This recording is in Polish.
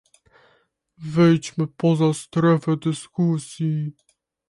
Wyjdźmy poza sferę dyskusji